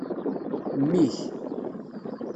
Mmi-k.